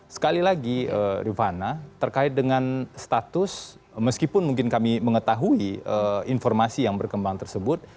sekali lagi rifana terkait dengan status meskipun mungkin kami mengetahui informasi yang berkembang tersebut